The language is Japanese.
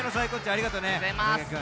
ありがとうございます。